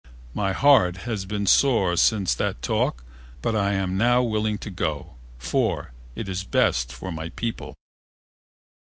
My heart has been sore since that talk but I am now willing to go, for it is best for my people."